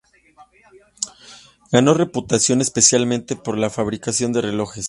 Ganó reputación especialmente por la fabricación de relojes.